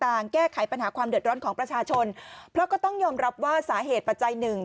แก้ไขปัญหาความเดือดร้อนของประชาชนเพราะก็ต้องยอมรับว่าสาเหตุปัจจัยหนึ่ง